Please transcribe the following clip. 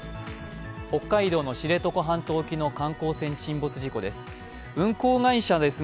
北海道の知床半島沖の観光船沈没事故です。